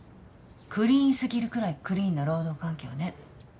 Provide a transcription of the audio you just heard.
クリーン過ぎるぐらいクリーンな労働環境ね。